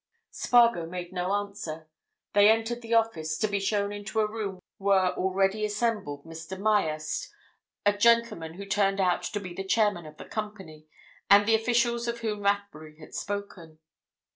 Spargo made no answer. They entered the office, to be shown into a room where were already assembled Mr. Myerst, a gentleman who turned out to be the chairman of the company, and the officials of whom Rathbury had spoken.